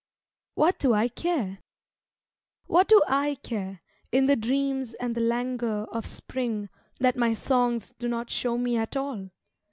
"What Do I Care?" What do I care, in the dreams and the languor of spring, That my songs do not show me at all?